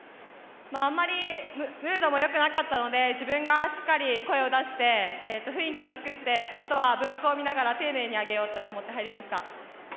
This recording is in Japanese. あまりムードも良くなかったので自分がしっかり声を出して雰囲気を作ってあとはブロックを見ながら丁寧に上げようと思って入りました。